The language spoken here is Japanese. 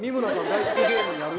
大好き芸人やる？